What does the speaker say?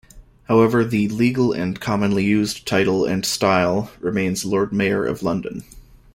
However, the legal and commonly-used title and style remains Lord Mayor of London.